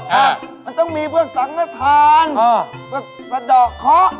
ใช่มันต้องมีเวลาสั่งมาทานเวลาสะดอกเคาะ